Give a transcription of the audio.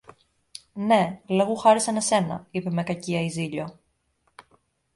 Ναι, λόγου χάρη σαν εσένα, είπε με κακία η Ζήλιω.